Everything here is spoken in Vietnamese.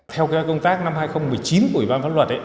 theo công tác năm hai nghìn một mươi chín của ủy ban pháp luật